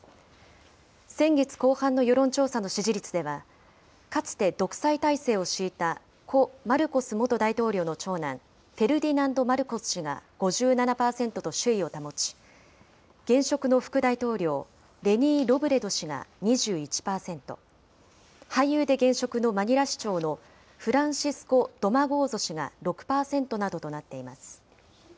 先月後半の世論調査の支持率では、かつて独裁体制を敷いた故・マルコス元大統領の長男、フェルディナンド・マルコス氏が５７％と首位を保ち、現職の副大統領、レニー・ロブレド氏が２１％、俳優で現職のマニラ市長のフランシスコ・ドマゴーソ氏が６％などとなっています。